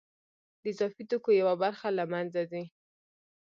د اضافي توکو یوه برخه له منځه ځي